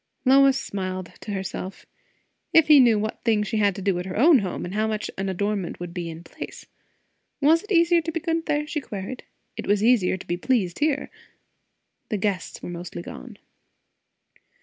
Lois smiled to herself. If he knew what things she had to do at her own home, and how such an adornment would be in place! Was it easier to be good there? she queried. It was easier to be pleased here. The guests were mostly gone.